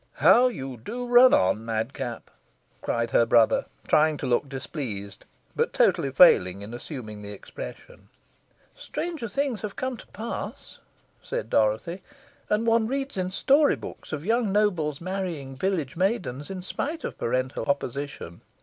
"How you do run on, madcap!" cried her brother, trying to look displeased, but totally failing in assuming the expression. "Stranger things have come to pass," said Dorothy; "and one reads in story hooks of young nobles marrying village maidens in spite of parental opposition.